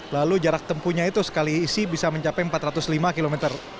lalu jarak tempuhnya itu sekali isi bisa mencapai empat ratus lima km